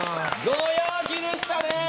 ご陽気でしたね！